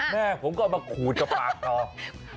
แม่ผมก็เอามาขูดกับปากต่อ